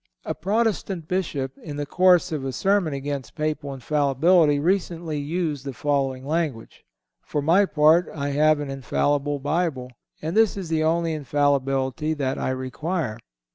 A Protestant Bishop, in the course of a sermon against Papal Infallibility, recently used the following language: "For my part, I have an infallible Bible, and this is the only infallibility that I require."